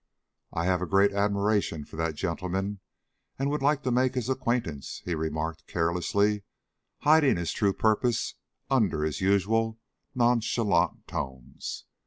"I have a great admiration for that gentleman and would like to make his acquaintance," he remarked carelessly, hiding his true purpose under his usual nonchalant tones.